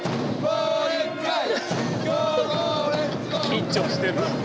緊張してる。